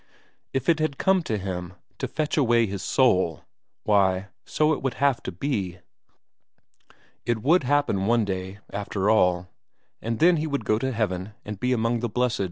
If it had come to him, to fetch away his soul, why, so it would have to be; it would happen one day, after all, and then he would go to heaven and be among the blest.